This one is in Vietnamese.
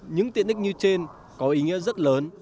những tiện ích như trên có ý nghĩa rất lớn